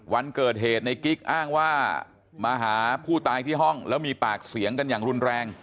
วันเกิดเหตุในกิ๊กอ้างว่ามาหาผู้ตายที่ห้องแล้วมีปากเสียงกันอย่างรุนแรง